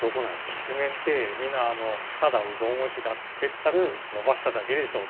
きしめんってみんなただうどんを平べったくのばしただけでしょ？